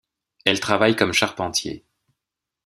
Elle travaille comme charpentier.